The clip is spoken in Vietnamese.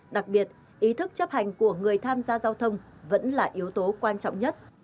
đặc biệt ý thức chấp hành của người tham gia giao thông vẫn là yếu tố quan trọng nhất